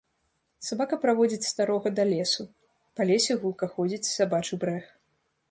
Сабака праводзіць старога да лесу, па лесе гулка ходзіць сабачы брэх.